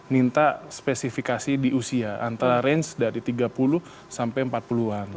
minta spesifikasi di usia antara range dari tiga puluh sampai empat puluh an